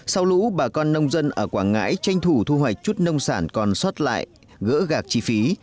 sau lũ bà con nông dân ở quảng ngãi tranh thủ thu hoạch chút nông sản còn xót lại gỡ gạc chi phí